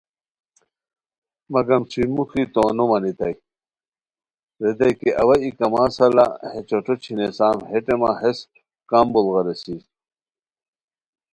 مگم چھوئی موخی نو مانیتائے ریتائے کی او ا ای کما سالہ ہے چوٹھو چھینیسام ہے ٹیمہ ہیس کمبوڑ غیریسر